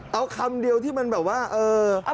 เอาคำเดียวที่มันแบบว่าเออ